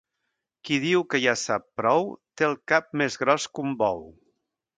Qui diu que ja sap prou, té el cap més gros que un bou.